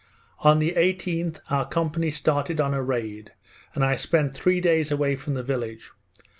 On the 18th our company started on a raid, and I spent three days away from the village.